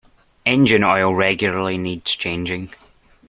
Engine oil regularly needs changing.